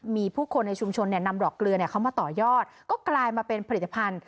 มีผู้คนในชุมชนนำดอกเกลือเขามาต่อยอดก็กลายมาเป็นผลิตภัณฑ